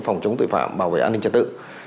phòng chống tội phạm bảo vệ an ninh trật tự